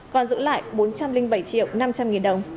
còn giữ lại bốn trăm linh bảy triệu năm trăm linh nghìn đồng